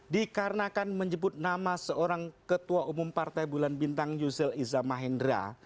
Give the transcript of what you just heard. dikarenakan menyebut nama seorang ketua umum partai bulan bintang yusril iza mahendra